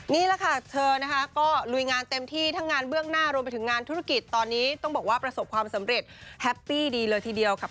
นี่แหละค่ะเธอนะคะก็ลุยงานเต็มที่ทั้งงานเบื้องหน้ารวมไปถึงงานธุรกิจตอนนี้ต้องบอกว่าประสบความสำเร็จแฮปปี้ดีเลยทีเดียวค่ะ